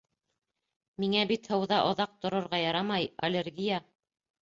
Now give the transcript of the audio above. Миңә бит һыуҙа оҙаҡ торорға ярамай, аллергия.